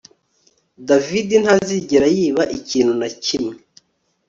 David ntazigera yiba ikintu na kimwe